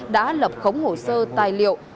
đã lập khống hồ sơ tài liệu